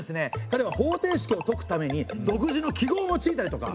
かれは方程式を解くために独自の記号を用いたりとか！